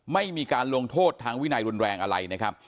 ไม่มีการลงโทษทางวินัยรุนแรงอะไรนะครับ